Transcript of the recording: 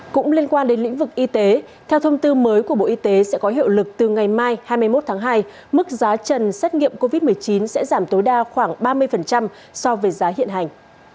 cũng liên quan đến lĩnh vực y tế theo thông tư mới của bộ y tế sẽ có hiệu lực từ ngày mai hai mươi một tháng hai mức giá trần xét nghiệm covid một mươi chín sẽ giảm tối đa khoảng ba mươi so với giá hiện hành